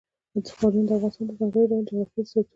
ښارونه د افغانستان د ځانګړي ډول جغرافیه استازیتوب کوي.